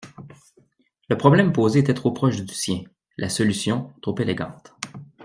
le problème posé était trop proche du sien, la solution trop élégante.